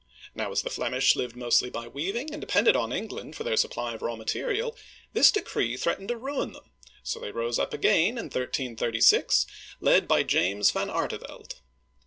Now, as the Flemish lived mostly by weaving, and depended on England for their supply of raw material, this decree threatened to ruin them, so they rose up again in 1336, led by James van Ar'teveld.